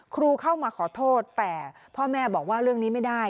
ครูเข้ามาขอโทษแต่พ่อแม่บอกว่าเรื่องนี้ไม่ได้